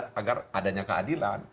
kemudian juga nanti sesuai dengan keadilan